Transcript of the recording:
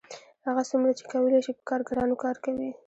هغه څومره چې کولی شي په کارګرانو کار کوي